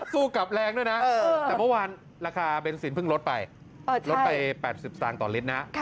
สู้กลับแรงด้วยนะแต่เมื่อวานราคาเบนซินเพิ่งลดไปลดไป๘๐สตางค์ต่อลิตรนะ